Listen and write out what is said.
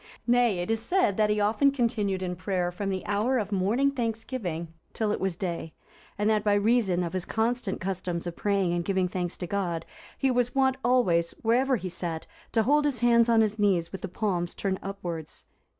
Nay, it is said, that he often continued in prayer from the hour of morning thanksgiving(349) till it was day; and that by reason of his constant custom of praying or giving thanks to God, he was wont always, wherever he sat, to hold his hands on his knees with the palms turned upwards.